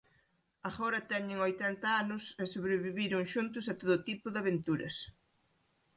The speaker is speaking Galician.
Agora teñen oitenta anos e sobreviviron xuntos a todo tipo de aventuras.